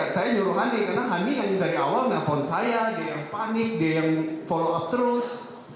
saya nyuruh hani karena hani yang dari awal nelfon saya dia yang panik dia yang follow up terus